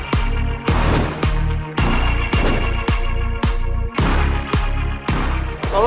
bukan orang pengecot kayak lo